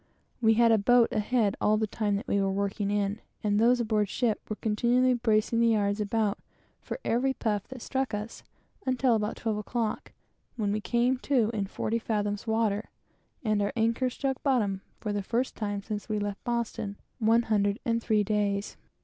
We had a boat ahead all the time that we were working in, and those aboard were continually bracing the yards about for every puff that struck us, until about 12 o'clock, when we came to in 40 fathoms water, and our anchor struck bottom for the first time since we left Boston one hundred and three days.